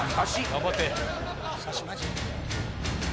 頑張って。